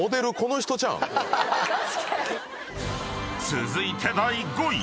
［続いて第５位］